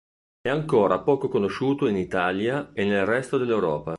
È ancora poco conosciuto in Italia e nel resto dell'Europa.